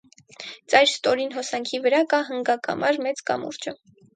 Ծայր ստորին հոսանքի վրա կա հնգակամար մեծ կամուրջը։